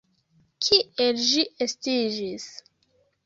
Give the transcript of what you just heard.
Kiel ĝi estiĝis?